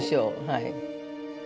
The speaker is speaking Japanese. はい。